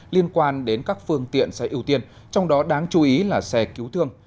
liên quan đến các phương tiện xe ưu tiên trong đó đáng chú ý là xe cứu thương